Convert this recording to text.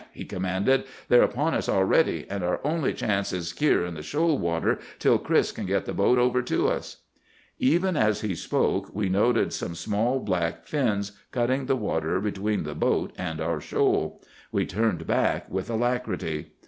he commanded. 'They're upon us already, and our only chance is here in the shoal water till Chris can get the boat over to us.' "Even as he spoke we noted some small black fins cutting the water between the boat and our shoal. We turned back with alacrity.